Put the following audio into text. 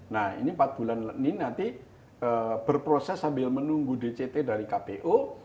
nah ini empat bulan ini nanti berproses sambil menunggu dct dari kpu